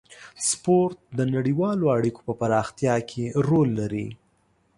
سپورت د نړیوالو اړیکو په پراختیا کې رول لري.